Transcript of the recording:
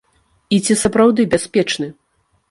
І ці сапраўды бяспечны?